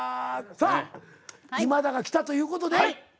さあ今田が来たという事で。